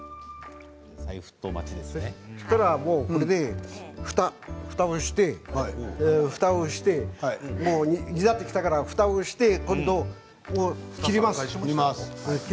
そうしたらこれでふたをして煮立ってきたからふたをして今度は火を切ります。